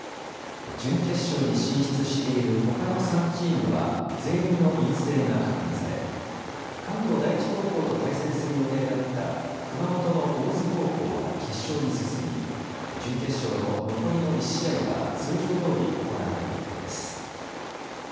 準決勝に進出しているほかの３チームは全員の陰性が確認され、関東第一高校と対戦する予定だった熊本の大津高校は決勝に進み、準決勝の残りの１試合は通常どおり行われる予定です。